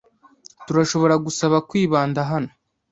Turashobora gusaba kwibanda hano?